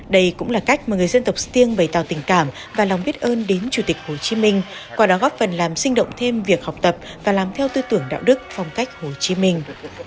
đây cũng là cách mà người dân tộc stiêng bày tạo tình cảm và lòng biết ơn đến chủ tịch hồ chí minh qua đó góp phần làm sinh động thêm việc học tập và làm theo tư tưởng đạo đức phong cách hồ chí minh